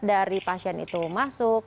dari pasien itu masuk